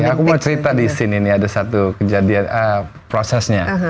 aku mau cerita di scene ini ada satu kejadian prosesnya